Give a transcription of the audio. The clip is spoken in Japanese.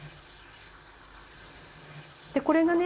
でこれがね